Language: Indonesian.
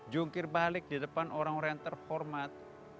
jungkir balik di depan orang orang yang terhormat